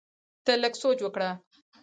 ته لږ سوچ وکړه!